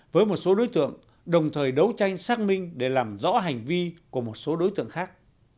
với một số đối tượng đồng thời đấu tranh xác minh để làm rõ hành vi của một số đối tượng khác